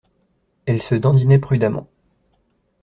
Elle se dandinait prudemment.